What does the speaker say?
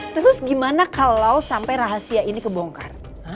terus gimana kalo sampe rahasia ini kebongkar